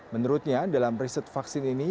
menurutnya dalam riset vaksin ini